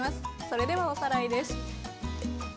それではおさらいです。